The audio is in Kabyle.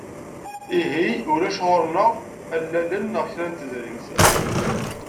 Ihi, ulac ɣur-neɣ allalen neɣ kra n tedrimt.